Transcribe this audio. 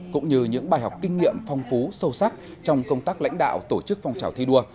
cũng như những bài học kinh nghiệm phong phú sâu sắc trong công tác lãnh đạo tổ chức phong trào thi đua